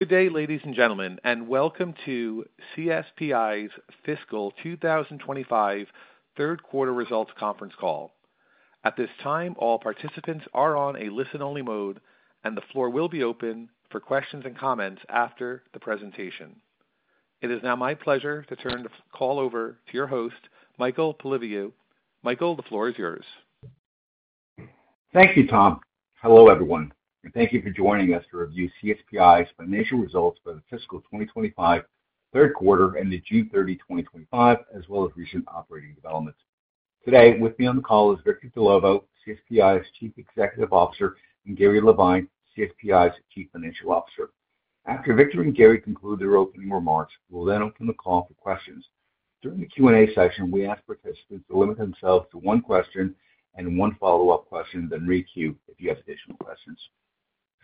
Today, ladies and gentlemen, and welcome to CSPi's Fiscal 2025 Third Quarter Results Conference Call. At this time, all participants are on a listen-only mode, and the floor will be open for questions and comments after the presentation. It is now my pleasure to turn the call over to your host, Michael Polyviou. Michael, the floor is yours. Thank you, Tom. Hello, everyone, and thank you for joining us to review CSPi's Financial Results for the Fiscal 2025 Third Quarter and the June 30, 2025, as well as recent operating developments. Today, with me on the call is Victor Dellovo, CSPi's Chief Executive Officer, and Gary Levine, CSPi's Chief Financial Officer. After Victor and Gary conclude their opening remarks, we'll then open the call for questions. During the Q&A session, we ask participants to limit themselves to one question and one follow-up question, then re-queue if you have additional questions.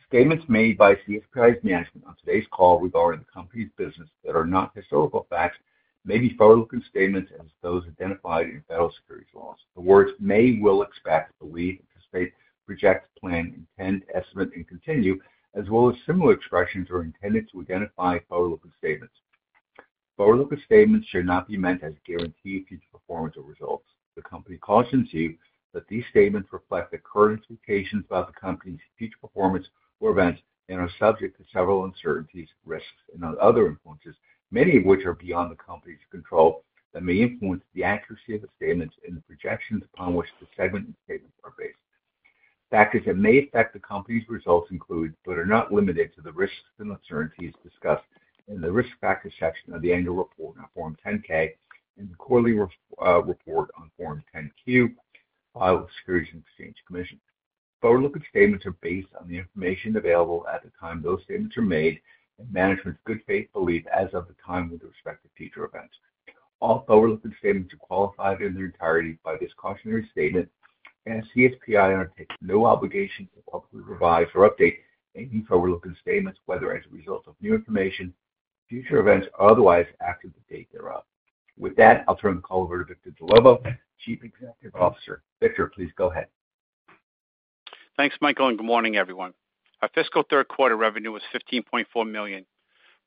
Statements made by CSPi's management on today's call regarding the company's business that are not historical facts may be forward-looking statements as those identified in federal securities laws. The words "may," "will," "expect," "believe," "anticipate," "project," "plan," "intend," "estimate," and "continue" as well as similar expressions are intended to identify forward-looking statements. Forward-looking statements should not be meant as a guarantee of future performance or results. The company cautions you that these statements reflect the current expectations about the company's future performance or events and are subject to several uncertainties, risks, and other influences, many of which are beyond the company's control that may influence the accuracy of the statements and the projections upon which the segmented statements are based. Factors that may affect the company's results include, but are not limited to, the risks and uncertainties discussed in the risk factor section of the annual report on Form 10-K and the quarterly report on Form 10-Q, the file of Securities and Exchange Commission. Forward-looking statements are based on the information available at the time those statements are made and management's good faith beliefs as of the time of the respective future events. All forward-looking statements are qualified in their entirety by this cautionary statement, as CSPi undertakes no obligation to publicly revise or update any forward-looking statements, whether as a result of new information, future events, or otherwise after the date thereof. With that, I'll turn the call over to Victor Dellovo, Chief Executive Officer. Victor, please go ahead. Thanks, Michael, and good morning, everyone. Our fiscal third quarter revenue was $15.4 million,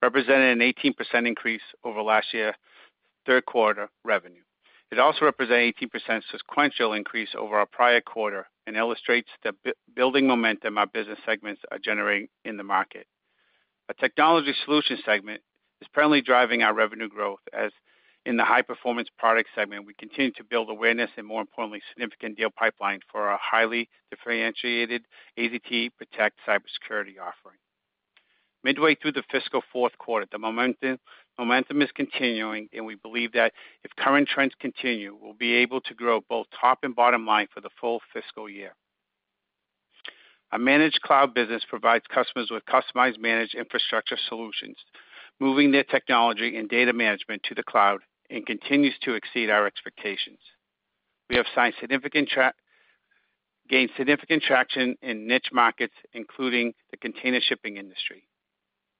representing an 18% increase over last year's third quarter revenue. It also represented an 18% sequential increase over our prior quarter and illustrates the building momentum our business segments are generating in the market. Our technology solutions segment is currently driving our revenue growth, as in the high-performance product segment, we continue to build awareness and, more importantly, significant deal pipelines for our highly differentiated ADT Protect cybersecurity offering. Midway through the fiscal fourth quarter, the momentum is continuing, and we believe that if current trends continue, we'll be able to grow both top and bottom line for the full fiscal year. Our managed cloud business provides customers with customized managed infrastructure solutions, moving their technology and data management to the cloud, and continues to exceed our expectations. We have gained significant traction in niche markets, including the container shipping industry.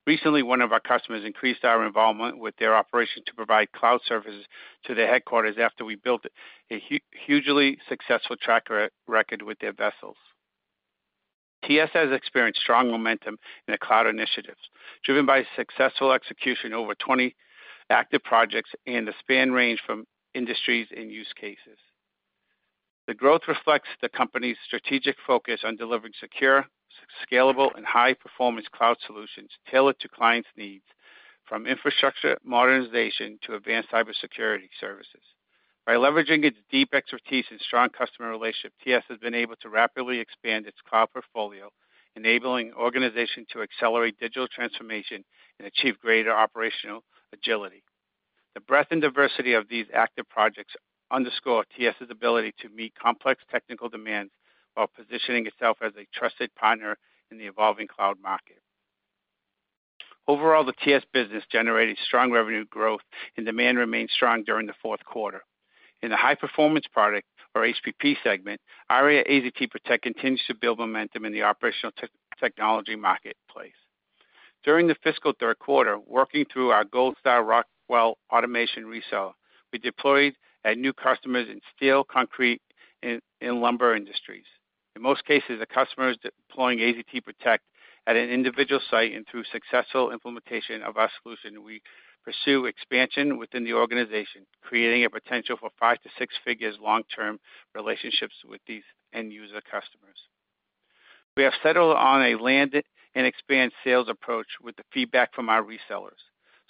Recently, one of our customers increased our involvement with their operations to provide cloud services to their headquarters after we built a hugely successful track record with their vessels. TSS has experienced strong momentum in the cloud initiatives, driven by successful execution of over 20 active projects in the span range from industries and use cases. The growth reflects the company's strategic focus on delivering secure, scalable, and high-performance cloud solutions tailored to clients' needs, from infrastructure modernization to advanced cybersecurity services. By leveraging its deep expertise and strong customer relationships, TSS has been able to rapidly expand its cloud portfolio, enabling organizations to accelerate digital transformation and achieve greater operational agility. The breadth and diversity of these active projects underscore TSS's ability to meet complex technical demands while positioning itself as a trusted partner in the evolving cloud market. Overall, the TSS business generated strong revenue growth, and demand remained strong during the fourth quarter. In the high-performance product, our HPP segment, ARIA AZT Protect continues to build momentum in the operational technology marketplace. During the fiscal third quarter, working through our gold-star Rockwell Automation resale, we deployed at new customers in steel, concrete, and lumber industries. In most cases, the customers deploying AZT Protect at an individual site, and through successful implementation of our solution, we pursue expansion within the organization, creating a potential for five to six-figure long-term relationships with these end-user customers. We have settled on a land and expand sales approach with the feedback from our resellers.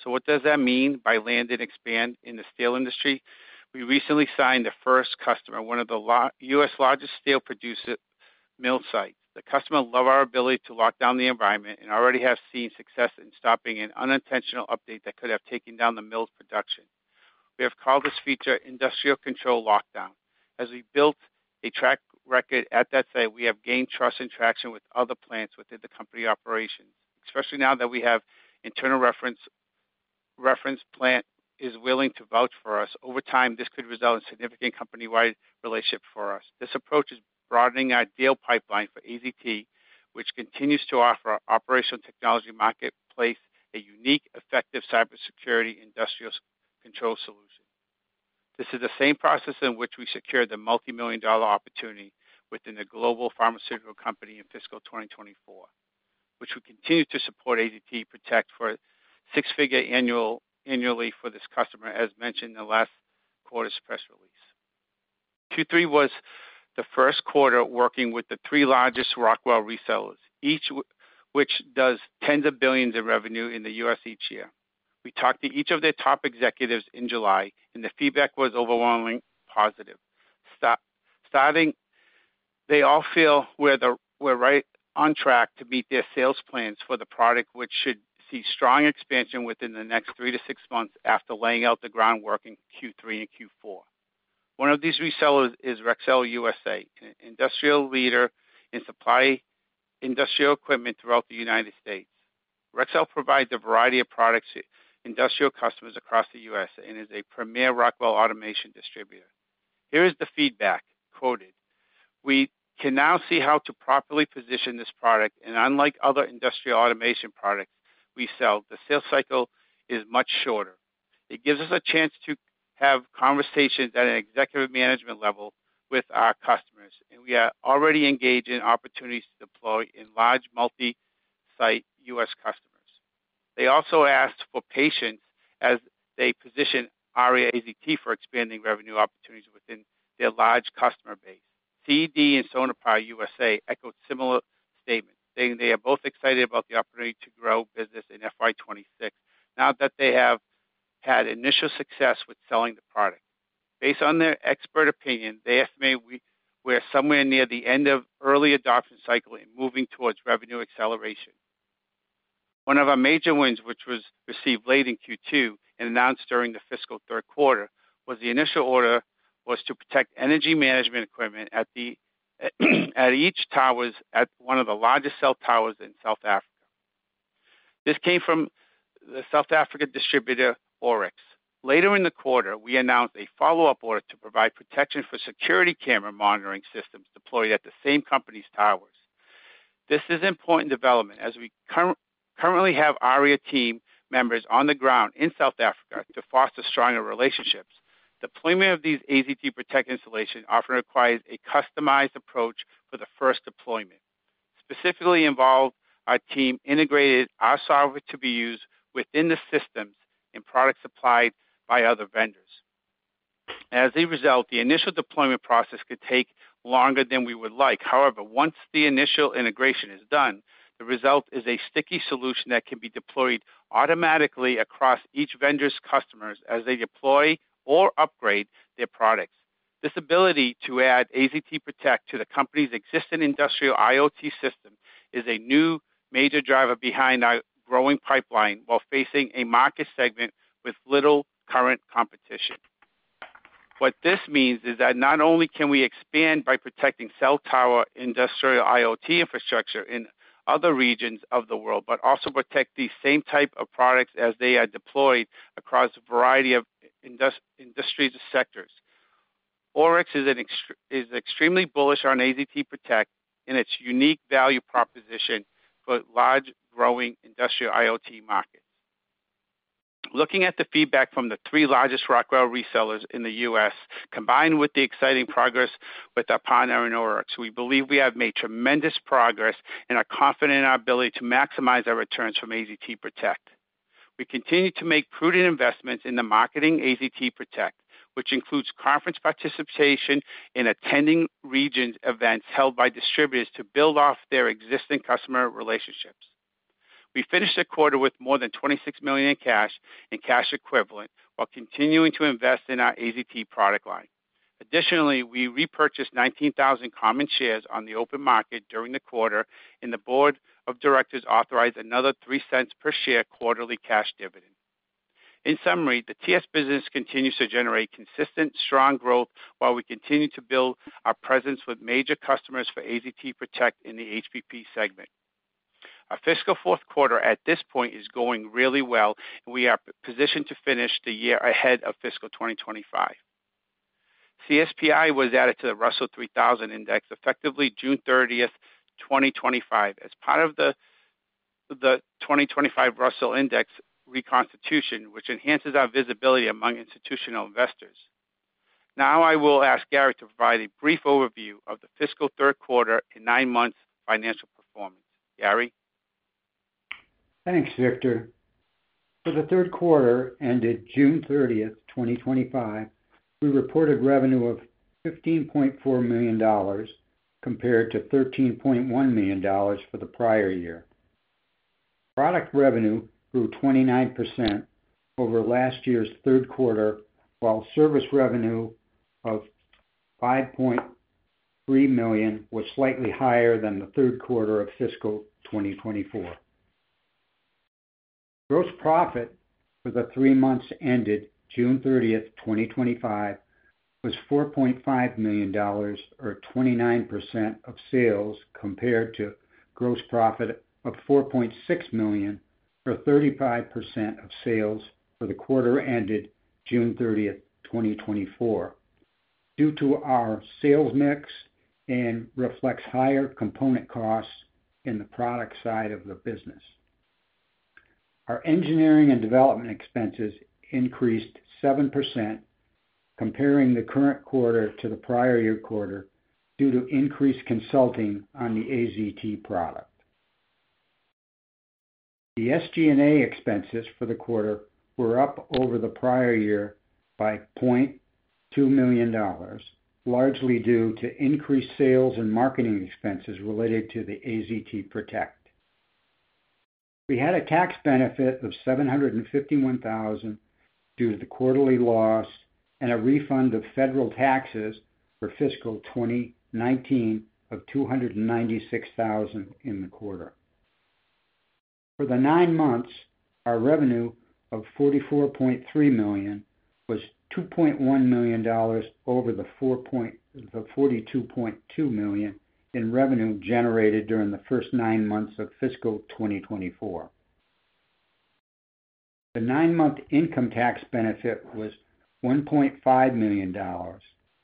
What does that mean by land and expand in the steel industry? We recently signed the first customer, one of the U.S. largest steel producer mill sites. The customers love our ability to lock down the environment and already have seen success in stopping an unintentional update that could have taken down the mill's production. We have called this feature industrial control lockdown. As we built a track record at that site, we have gained trust and traction with other plants within the company operations, especially now that we have an internal reference plant that is willing to vouch for us. Over time, this could result in significant company-wide relationships for us. This approach is broadening our deal pipeline for AZT, which continues to offer our operational technology marketplace a unique, effective cybersecurity industrial control solution. This is the same process in which we secured the multimillion-dollar opportunity within the global pharmaceutical company in fiscal 2024, which we continue to support AZT Protect for six-figure annually for this customer, as mentioned in the last quarter's press release. Q3 was the first quarter working with the three largest Rockwell resellers, each of which does tens of billions in revenue in the U.S. each year. We talked to each of their top executives in July, and the feedback was overwhelmingly positive. They all feel we're right on track to meet their sales plans for the product, which should see strong expansion within the next 3-6 months after laying out the groundwork in Q3 and Q4. One of these resellers is Rexel USA, an industrial leader in supply industrial equipment throughout the United States. Rexel provides a variety of products to industrial customers across the U.S. and is a premier Rockwell Automation distributor. Here is the feedback quoted. "We can now see how to properly position this product, and unlike other industrial automation products we sell, the sales cycle is much shorter. It gives us a chance to have conversations at an executive management level with our customers, and we are already engaged in opportunities to deploy in large multi-site U.S. customers. They also asked for patience as they position ARIA AZT Protect for expanding revenue opportunities within their large customer base. CED and Sonepar USA echoed similar statements, stating they are both excited about the opportunity to grow business in FY 2026, now that they have had initial success with selling the product. Based on their expert opinion, they estimate we're somewhere near the end of the early adoption cycle and moving towards revenue acceleration. One of our major wins, which was received late in Q2 and announced during the fiscal third quarter, was the initial order to protect energy management equipment at each tower at one of the largest cell towers in South Africa. This came from the South African distributor Oryx. Later in the quarter, we announced a follow-up order to provide protection for security camera monitoring systems deployed at the same company's towers. This is an important development as we currently have ARIA team members on the ground in South Africa to foster stronger relationships. Deployment of these AZT Protect installations often requires a customized approach for the first deployment. Specifically, our team integrated our software to be used within the systems and products supplied by other vendors. Now, as a result, the initial deployment process could take longer than we would like. However, once the initial integration is done, the result is a sticky solution that can be deployed automatically across each vendor's customers as they deploy or upgrade their products. This ability to add AZT Protect to the company's existing industrial IoT system is a new major driver behind our growing pipeline while facing a market segment with little current competition. What this means is that not only can we expand by protecting cell tower industrial IoT infrastructure in other regions of the world, but also protect the same type of products as they are deployed across a variety of industries and sectors. Oryx is extremely bullish on AZT Protect and its unique value proposition for a large growing industrial IoT market. Looking at the feedback from the three largest Rockwell Automation resellers in the U.S., combined with the exciting progress with our partner Oryx, we believe we have made tremendous progress and are confident in our ability to maximize our returns from ARIA AZT Protect. We continue to make prudent investments in the marketing of AZT Protect, which includes conference participation and attending regional events held by distributors to build off their existing customer relationships. We finished the quarter with more than $26 million in cash and cash equivalents while continuing to invest in our AZT product line. Additionally, we repurchased 19,000 common shares on the open market during the quarter, and the Board of Directors authorized another $0.03/share quarterly cash dividend. In summary, the TSS business continues to generate consistent, strong growth while we continue to build our presence with major customers for AZT Protect in the HPP segment. Our fiscal fourth quarter at this point is going really well, and we are positioned to finish the year ahead of fiscal 2025. CSPi was added to the Russell 3000 Index effective June 30, 2025, as part of the 2025 Russell Index Reconstitution, which enhances our visibility among institutional investors. Now I will ask Gary to provide a brief overview of the fiscal third quarter and nine months' financial performance. Gary. Thanks, Victor. For the third quarter ended June 30, 2025, we reported revenue of $15.4 million compared to $13.1 million for the prior year. Product revenue grew 29% over last year's third quarter, while service revenue of $5.3 million was slightly higher than the third quarter of fiscal 2024. Gross profit for the three months ended June 30, 2025 was $4.5 million or 29% of sales compared to gross profit of $4.6 million or 35% of sales for the quarter ended June 30, 2024, due to our sales mix and reflects higher component costs in the product side of the business. Our engineering and development expenses increased 7% comparing the current quarter to the prior year quarter due to increased consulting on the AZT product. The SG&A expenses for the quarter were up over the prior year by $0.2 million, largely due to increased sales and marketing expenses related to the AZT Protect. We had a tax benefit of $751,000 due to the quarterly loss and a refund of federal taxes for fiscal 2019 of $296,000 in the quarter. For the nine months, our revenue of $44.3 million was $2.1 million over the $42.2 million in revenue generated during the first nine months of fiscal 2024. The nine-month income tax benefit was $1.5 million,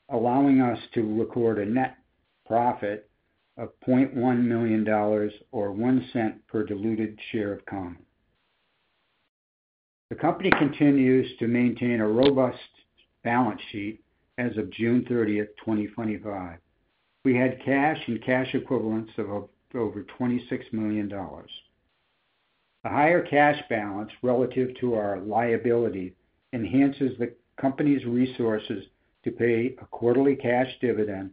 allowing us to record a net profit of $0.1 million or $0.01/diluted share of common. The company continues to maintain a robust balance sheet as of June 30, 2025. We had cash and cash equivalents of over $26 million. A higher cash balance relative to our liability enhances the company's resources to pay a quarterly cash dividend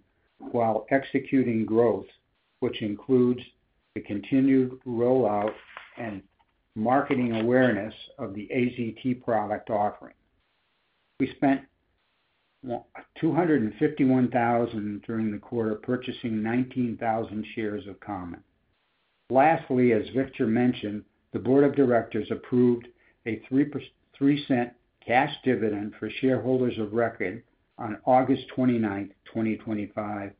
while executing growth, which includes the continued rollout and marketing awareness of the AZT product offering. We spent $251,000 during the quarter, purchasing 19,000 shares of common. Lastly, as Victor mentioned, the Board of Directors approved a $0.03 cash dividend for shareholders of record on August 29, 2025,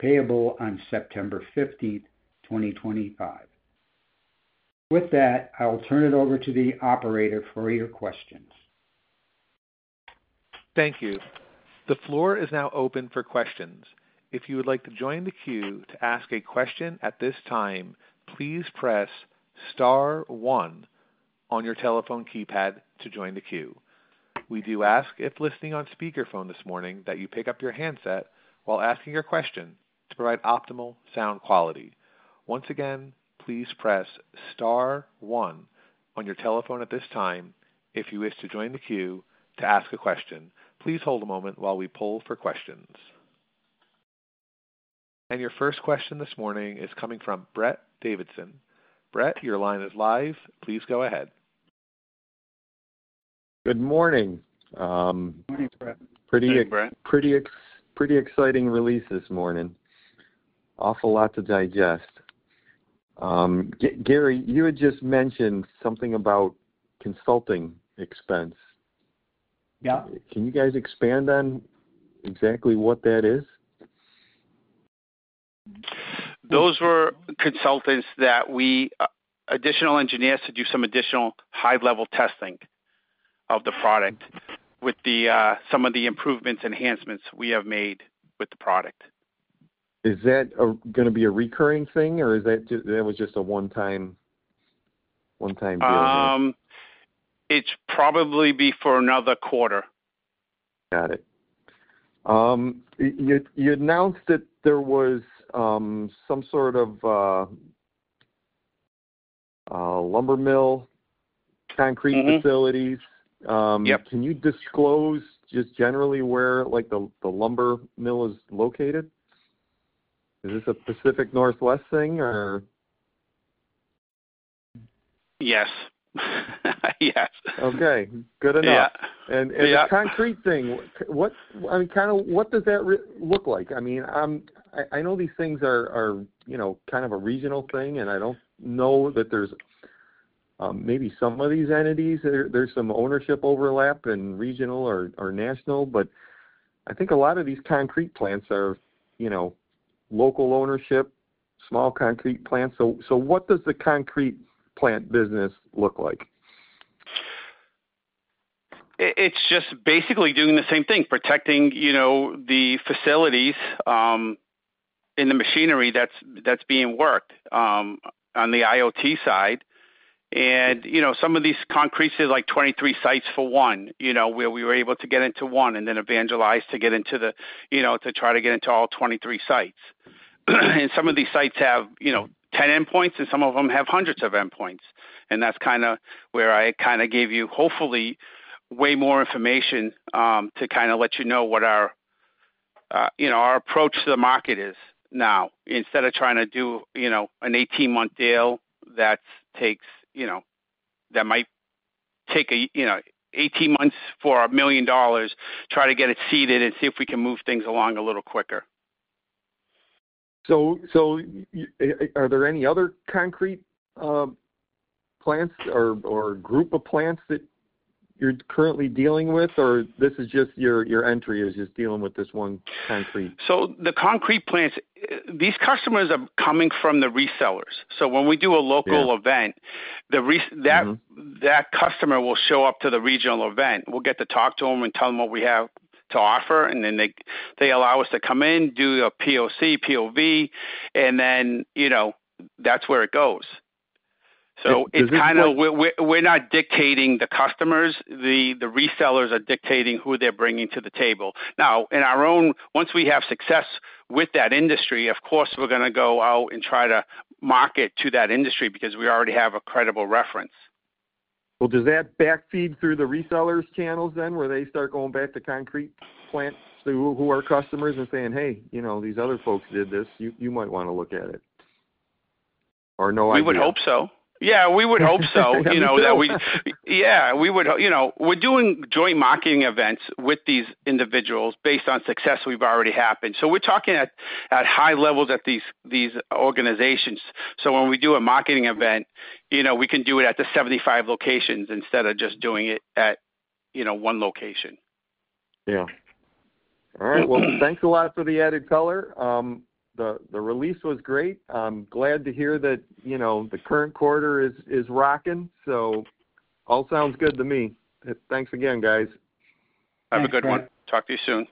payable on September 15, 2025. With that, I will turn it over to the operator for your questions. Thank you. The floor is now open for questions. If you would like to join the queue to ask a question at this time, please press star one on your telephone keypad to join the queue. We do ask if listening on speakerphone this morning that you pick up your handset while asking your question to provide optimal sound quality. Once again, please press star one on your telephone at this time if you wish to join the queue to ask a question. Please hold a moment while we poll for questions. Your first question this morning is coming from Brett Davidson. Brett, your line is live. Please go ahead. Good morning. Morning, Brett. Pretty good, Brett. Pretty exciting release this morning. Awful lot to digest. Gary, you had just mentioned something about consulting expense. Yeah. Can you guys expand on exactly what that is? Those were consultants that we added additional engineers to do some additional high-level testing of the product with some of the improvements, enhancements we have made with the product. Is that going to be a recurring thing, or is that just a one-time? It'll probably be for another quarter. Got it. You announced that there was some sort of lumber mill, concrete facilities. Yep. Can you disclose just generally where the lumber mill is located? Is this a Pacific Northwest thing, or? Yes. Yes. Okay, good enough. Yeah. What does that look like? I mean, I know these things are kind of a regional thing, and I don't know that there's maybe some of these entities, there's some ownership overlap in regional or national, but I think a lot of these concrete plants are, you know, local ownership, small concrete plants. What does the concrete plant business look like? It's just basically doing the same thing, protecting the facilities and the machinery that's being worked on the IoT side. Some of these concretes are like 23 sites for one, where we were able to get into one and then evangelize to try to get into all 23 sites. Some of these sites have 10 endpoints, and some of them have hundreds of endpoints. That's kind of where I gave you, hopefully, way more information to let you know what our approach to the market is now. Instead of trying to do an 18-month deal that might take 18 months for $1 million, try to get it seeded and see if we can move things along a little quicker. Are there any other concrete plants or group of plants that you're currently dealing with, or is your entry just dealing with this one concrete? The concrete plants, these customers are coming from the resellers. When we do a local event, that customer will show up to the regional event. We'll get to talk to them and tell them what we have to offer, and then they allow us to come in, do a POC, POV, and then, you know, that's where it goes. It's kind of. We're not dictating the customers. The resellers are dictating who they're bringing to the table. Now, in our own, once we have success with that industry, of course, we're going to go out and try to market to that industry because we already have a credible reference. Does that backfeed through the resellers' channels then, where they start going back to concrete plants, who are customers and saying, "Hey, you know, these other folks did this. You might want to look at it," or, "No, I don't"? We would hope so. We would hope so, you know, that we would hope, you know, we're doing joint marketing events with these individuals based on success we've already had. We're talking at high levels at these organizations. When we do a marketing event, we can do it at the 75 locations instead of just doing it at one location. All right. Thanks a lot for the added color. The release was great. I'm glad to hear that, you know, the current quarter is rocking. It all sounds good to me. Thanks again, guys. Have a good one. Talk to you soon.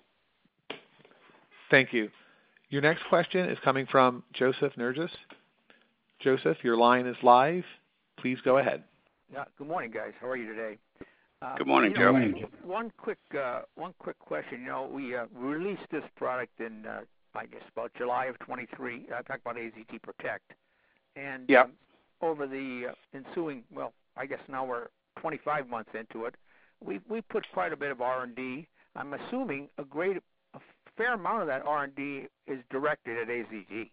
Thank you. Your next question is coming from Joseph Nerges. Joseph, your line is live. Please go ahead. Good morning, guys. How are you today? Good morning, Joe. One quick question. You know, we released this product in, I guess, about July of 2023. I talked about AZT Protect. Over the ensuing, I guess now we're 25 months into it. We've put quite a bit of R&D. I'm assuming a great fair amount of that R&D is directed at AZT.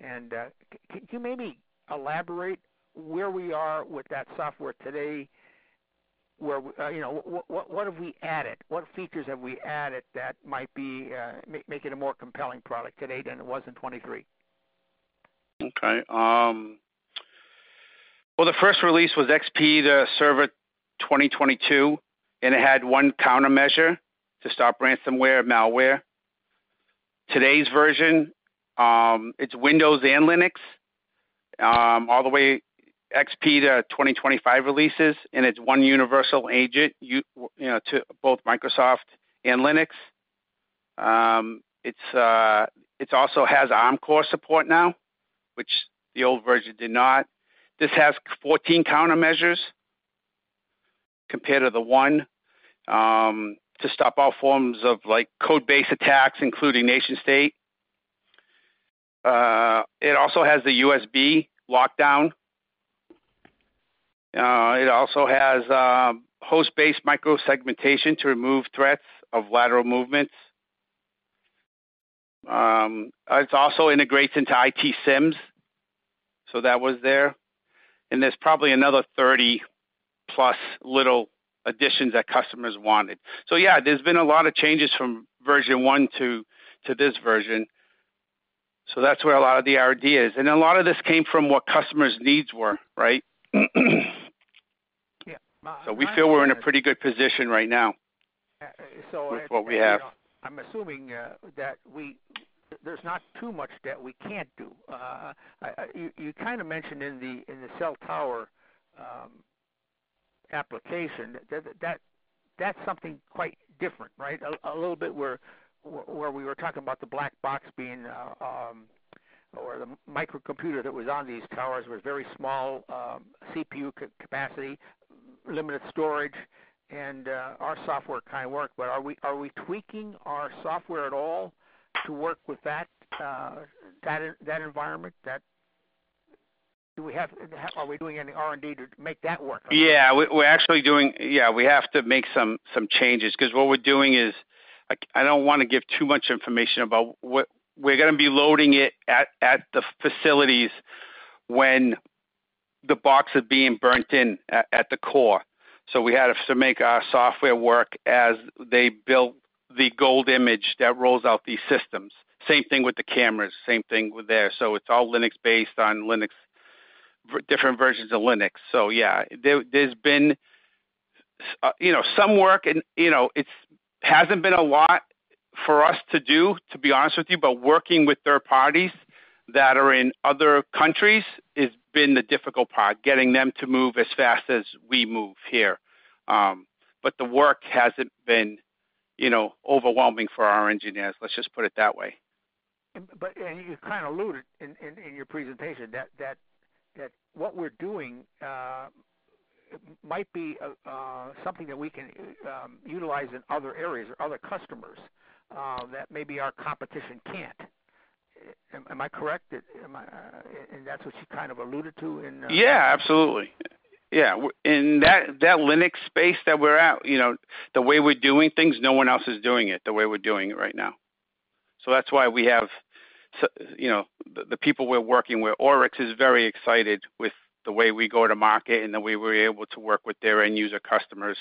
Can you maybe elaborate where we are with that software today? What have we added? What features have we added that might be making it a more compelling product today than it was in 2023? Okay. The first release was XP Server 2022, and it had one countermeasure to stop ransomware and malware. Today's version, it's Windows and Linux, all the way XP to 2025 releases, and it's one universal agent, you know, to both Microsoft and Linux. It also has ARM core support now, which the old version did not. This has 14 countermeasures compared to the one to stop all forms of code-based attacks, including nation-state. It also has the USB lockdown. It also has host-based micro-segmentation to remove threats of lateral movements. It also integrates into IT SIMs. That was there. There's probably another 30-plus little additions that customers wanted. There's been a lot of changes from version one to this version. That's where a lot of the R&D is. A lot of this came from what customers' needs were, right? Yeah. We feel we're in a pretty good position right now. So it's. With what we have. I'm assuming that there's not too much that we can't do. You kind of mentioned in the cell tower application that that's something quite different, right? A little bit where we were talking about the black box being or the microcomputer that was on these towers was very small CPU capacity, limited storage, and our software kind of worked. Are we tweaking our software at all to work with that environment? Are we doing any R&D to make that work? Yeah, we're actually doing, yeah, we have to make some changes because what we're doing is I don't want to give too much information about what we're going to be loading at the facilities when the box is being burnt in at the core. We had to make our software work as they built the gold image that rolls out these systems. Same thing with the cameras, same thing with there. It's all Linux-based on different versions of Linux. There's been some work, and it hasn't been a lot for us to do, to be honest with you, but working with third parties that are in other countries has been the difficult part, getting them to move as fast as we move here. The work hasn't been overwhelming for our engineers. Let's just put it that way. You kind of alluded in your presentation that what we're doing might be something that we can utilize in other areas or other customers that maybe our competition can't. Am I correct? That's what you kind of alluded to. Yeah, absolutely. In that Linux space that we're at, you know, the way we're doing things, no one else is doing it the way we're doing it right now. That's why we have the people we're working with. Oryx is very excited with the way we go to market and the way we're able to work with their end-user customers.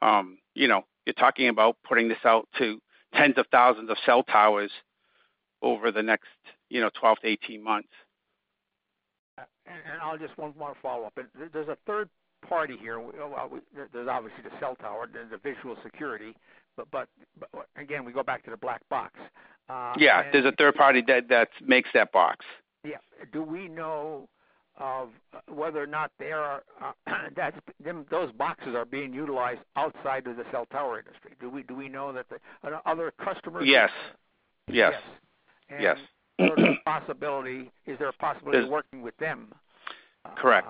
You're talking about putting this out to tens of thousands of cell towers over the next 12 months-18 months. I'll just add one more follow-up. There's a third party here. There's obviously the cell tower and the visual security. Again, we go back to the black box. Yeah, there's a third party that makes that box. Do we know whether or not those boxes are being utilized outside of the cell tower industry? Do we know that the other customers? Yes. Yes. Yes, is there a possibility of working with them? Correct.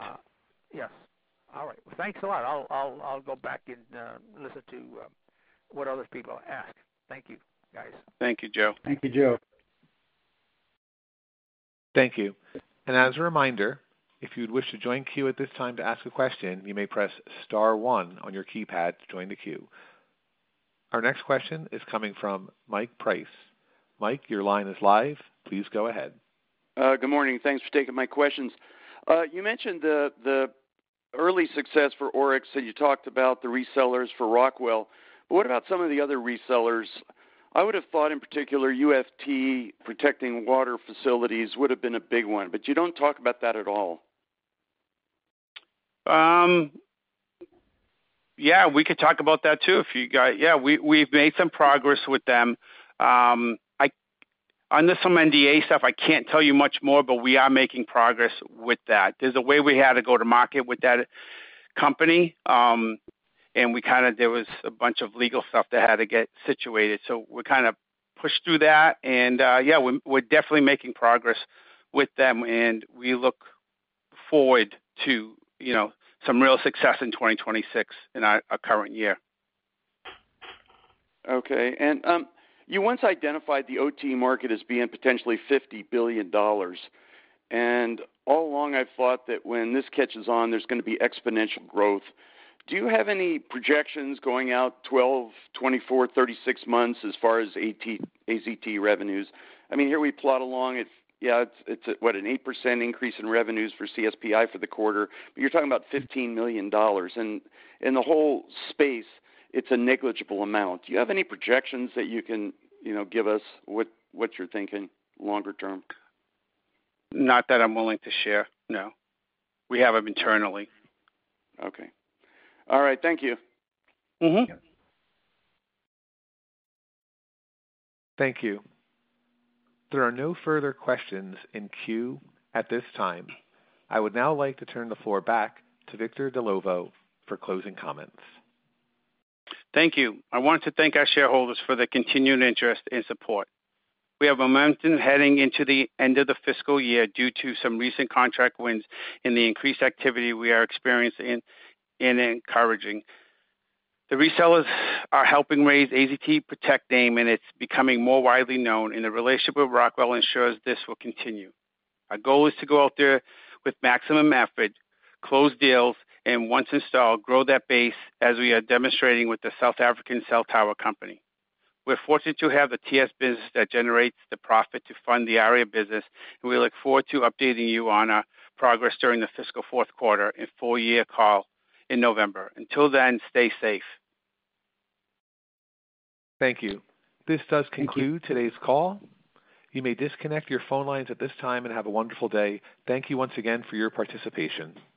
All right. Thanks a lot. I'll go back and listen to what other people ask. Thank you, guys. Thank you, Joe. Thank you, Joe. Thank you. As a reminder, if you'd wish to join the queue at this time to ask a question, you may press star one on your keypad to join the queue. Our next question is coming from Mike Price. Mike, your line is live. Please go ahead. Good morning. Thanks for taking my questions. You mentioned the early success for Oryx, and you talked about the resellers for Rockwell. What about some of the other resellers? I would have thought in particular UFT protecting water facilities would have been a big one, but you don't talk about that at all. Yeah, we could talk about that too if you got, yeah, we've made some progress with them. I understand some NDA stuff. I can't tell you much more, but we are making progress with that. There's a way we had to go to market with that company. There was a bunch of legal stuff that had to get situated. We kind of pushed through that. Yeah, we're definitely making progress with them. We look forward to some real success in 2026 in our current year. Okay. You once identified the OT market as being potentially $50 billion. All along, I've thought that when this catches on, there's going to be exponential growth. Do you have any projections going out 12, 24, 36 months as far as AZT revenues? Here we plot along. It's, yeah, it's what, an 8% increase in revenues for CSPi for the quarter, but you're talking about $15 million. In the whole space, it's a negligible amount. Do you have any projections that you can give us what you're thinking longer term? Not that I'm willing to share. No, we have them internally. Okay. All right. Thank you. Mhmm. Thank you. There are no further questions in queue at this time. I would now like to turn the floor back to Victor Dellovo for closing comments. Thank you. I want to thank our shareholders for their continued interest and support. We have momentum heading into the end of the fiscal year due to some recent contract wins and the increased activity we are experiencing and encouraging. The resellers are helping raise AZT Protect name, and it's becoming more widely known, and the relationship with Rockwell Automation ensures this will continue. Our goal is to go out there with maximum effort, close deals, and once installed, grow that base as we are demonstrating with the South Africa cell tower company. We're fortunate to have the TSS business that generates the profit to fund the ARIA business, and we look forward to updating you on our progress during the fiscal fourth quarter and full-year call in November. Until then, stay safe. Thank you. This does conclude today's call. You may disconnect your phone lines at this time and have a wonderful day. Thank you once again for your participation.